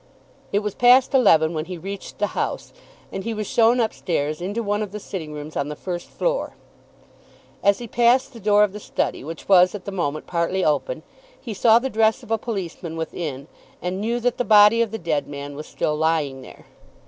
It was past eleven when he reached the house, and he was shown up stairs into one of the sitting rooms on the first floor. As he passed the door of the study, which was at the moment partly open, he saw the dress of a policeman within, and knew that the body of the dead man was still lying there.